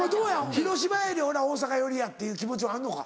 広島より俺は大阪寄りやっていう気持ちはあんのか？